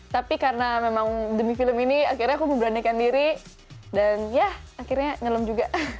tapi karena memang demi film ini akhirnya aku memberanikan diri dan ya akhirnya ngelem juga